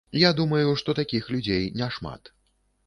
Я думаю, што такіх людзей няшмат.